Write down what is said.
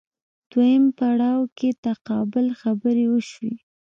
دویم پړاو کې تقابل خبرې وشوې